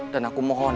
dan aku mohon